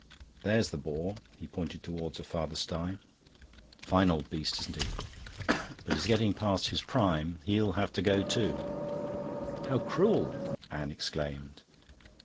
There's the boar," he pointed towards a farther sty. "Fine old beast, isn't he? But he's getting past his prime. He'll have to go too." "How cruel!" Anne exclaimed.